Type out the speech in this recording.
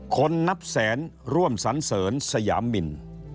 คนนับแสนร่วมสันเสริญสยามิน